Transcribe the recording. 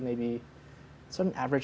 jadi itu sekitar tiga orang